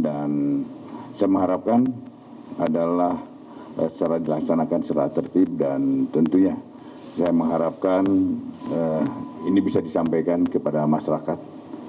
dan saya mengharapkan adalah secara dilaksanakan secara tertib dan tentunya saya mengharapkan ini bisa disampaikan kepada masyarakat